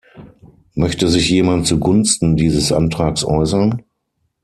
Möchte sich jemand zugunsten dieses Antrags äußern?